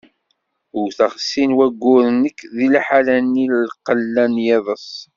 Wwteɣ sin n wayyuren nekk deg liḥala-nni n lqella n yiḍes.